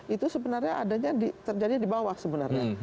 itu sebenarnya adanya terjadi di bawah sebenarnya